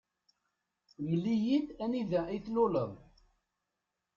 Mel-iyi-d anida i tluleḍ.